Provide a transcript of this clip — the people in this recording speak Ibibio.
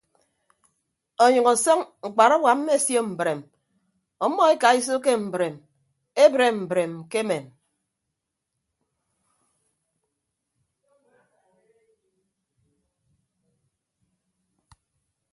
Ọnyʌñ ọsọñ mkparawa mmesio mbreem ọmmọ ekaiso ke mbreem ebre mbreem kemem.